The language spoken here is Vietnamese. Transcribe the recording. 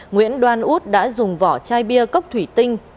nguyễn đoan út đã dùng vỏ chai bia cốc thủy tinh